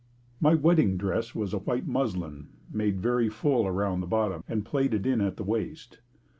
My wedding dress was a white muslin, made very full around the bottom and plaited in at the waist.